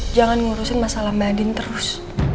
jangan ngurusin masalah mbak din terus